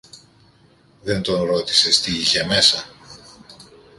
Δεν τον ρώτησες τι είχε μέσα;